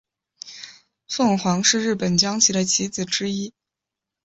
凤凰是日本将棋的棋子之一。